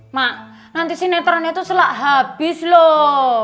mak nanti sinetron itu selak habis loh